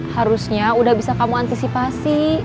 harusnya udah bisa kamu antisipasi